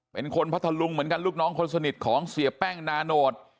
เป็นคนพระทะลุงเหมือนกันลูกน้องคนสนิทของเสียแป้งนานโนท